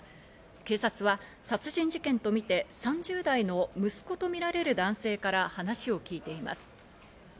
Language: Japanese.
警察は殺人事件とみて３０代の息子とみられる男性から話を聞いています。